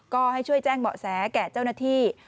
ก็ให้ช่วยแจ้งเบาะแสแก่เจ้าหน้าที่